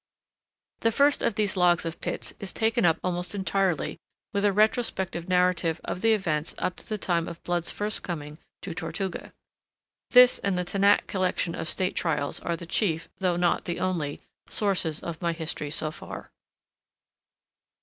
The first of these logs of Pitt's is taken up almost entirely with a retrospective narrative of the events up to the time of Blood's first coming to Tortuga. This and the Tannatt Collection of State Trials are the chief though not the only sources of my history so far.